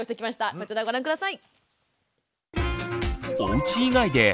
こちらご覧下さい。